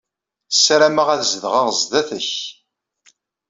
Ssarameɣ ad zedɣeɣ sdat-k.